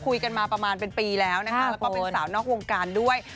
คุยกันมาประมาณเป็นปีแล้วนะคะแล้วก็เป็นสาวนอกวงการด้วย